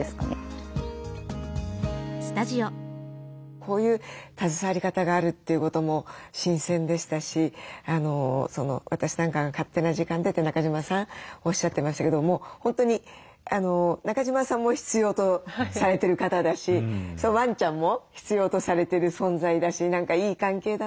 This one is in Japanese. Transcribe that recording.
こういう携わり方があるということも新鮮でしたし「私なんかが勝手な時間で」って中島さんおっしゃってましたけども本当に中島さんも必要とされてる方だしワンちゃんも必要とされてる存在だし何かいい関係だなと思って拝見しました。